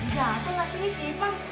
gak tau gak sini sih pak